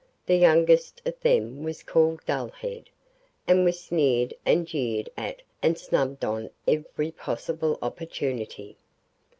The youngest of them was called Dullhead, and was sneered and jeered at and snubbed on every possible opportunity.